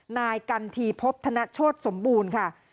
นายกันทีพบธนชดสมบูรณ์